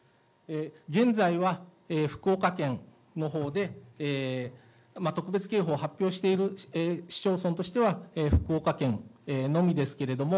現在は福岡県のほうで、特別警報を発表している市町村としては、福岡県のみですけれども、